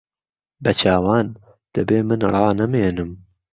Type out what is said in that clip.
به چاوان! دهبێ من ڕانهمێنم